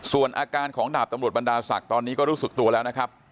ส่วนอาการของดาบตำรวจบรรดาศักดิ์ตอนนี้ก็รู้สึกตัวแล้วนะครับ